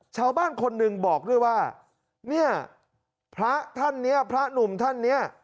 ชาวบ้านคนหนึ่งบอกด้วยว่าเนี่ยพระท่านเนี้ยพระหนุ่มท่านเนี่ย